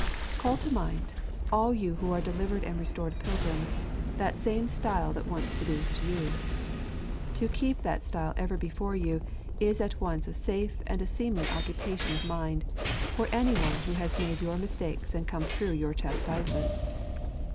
Call to mind, all you who are delivered and restored pilgrims, that same stile that once seduced you. To keep that stile ever before you is at once a safe and a seemly occupation of mind for any one who has made your mistakes and come through your chastisements.